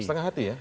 setengah hati ya